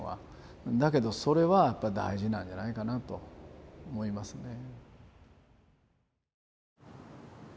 だけどそれは大事なんじゃないかなと思いますね。